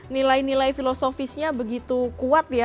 nilai nilai filosofisnya begitu kuat ya